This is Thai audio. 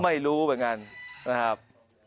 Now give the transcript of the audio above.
ไม่รู้เหมือนกันนะครับ